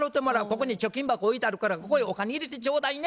ここに貯金箱置いてあるからここへお金入れてちょうだいね」って言われてんねや。